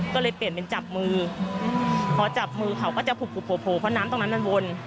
ก็เลยเปลี่ยนเป็นจับมือพอจับมือเขาก็จะผูกโผล่เพราะน้ำตรงนั้นมันวน